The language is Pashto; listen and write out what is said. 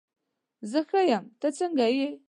زه ښه یم، ته څنګه یې؟